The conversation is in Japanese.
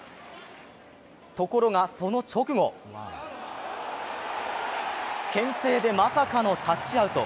ところがその直後、けん制でまさかのタッチアウト。